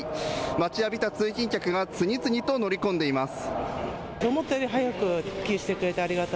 待ちわびた通勤客が次々と乗り込んでいます。